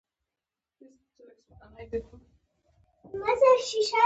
د پخلي مساله د خوړو له نوعیت سره توپیر لري په پښتو ژبه.